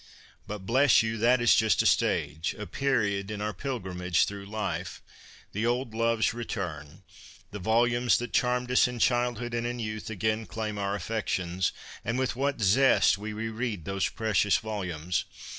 But, bless you ! that is just a stage — a period in our pilgrimage through life. The old loves return. The volumes that charmed us in childhood and in youth again claim our affections. And with what zest we re read those precious volumes